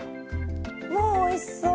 もうおいしそう！